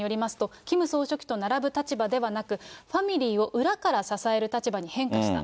牧野さんによりますと、キム総書記と並ぶ立場ではなく、ファミリーを裏から支える立場に変化した。